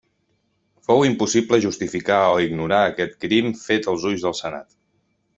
Fou impossible justificar o ignorar aquest crim fet als ulls del senat.